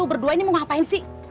berdua ini mau ngapain sih